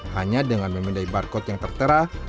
hanya dengan memindai barcode yang tertera